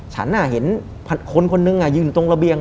ฉันเห็นคนคนนึงยืนตรงระเบียง